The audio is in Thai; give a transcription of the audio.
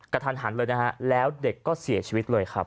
กระทันหันเลยนะฮะแล้วเด็กก็เสียชีวิตเลยครับ